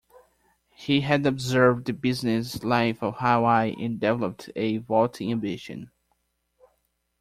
He had observed the business life of Hawaii and developed a vaulting ambition.